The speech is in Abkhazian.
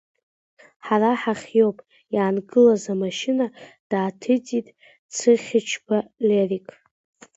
Ҳара ҳахиоуп, иаангылаз амашьына дааҭыҵит Цыхьычба Лерик.